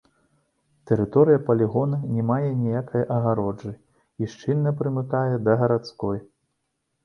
Тэрыторыя палігона не мае ніякай агароджы і шчыльна прымыкае да гарадской.